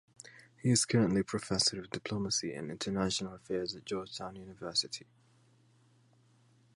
He is currently Professor of Diplomacy and International Affairs at Georgetown University.